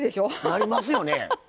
なりますよね。